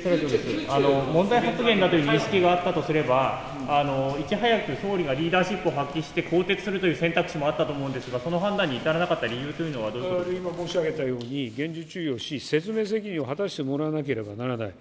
問題発言だという認識があったとすれば、いち早く総理がリーダーシップを発揮して、更迭するという選択肢もあったと思うんですが、その判断に至らなかった理由というのはその理由は今、申し上げたように、厳重注意をし、説明責任を果たしてもらわなければならない。